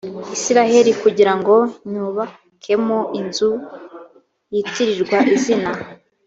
isirayeli kugira ngo nywubakemo inzu o yitirirwa izina